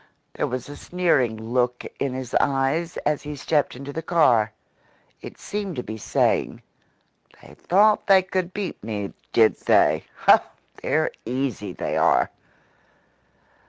There was a sneering look in his eyes as he stepped into the car. It seemed to be saying: "They thought they could beat me, did they? Oh, they're easy, they are!"